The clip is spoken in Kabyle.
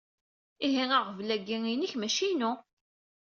Ihi aɣbel-agi inek, mačči inu.